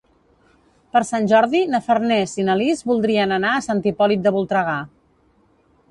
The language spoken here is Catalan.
Per Sant Jordi na Farners i na Lis voldrien anar a Sant Hipòlit de Voltregà.